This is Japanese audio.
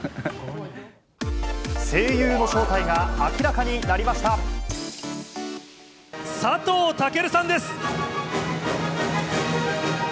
声優の正体が明らかになりま佐藤健さんです。